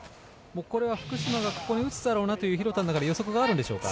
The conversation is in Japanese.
福島がここに打つだろうなと廣田の中での予測があるんでしょうか。